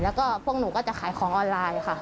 แล้วก็พวกหนูก็จะขายของออนไลน์ค่ะ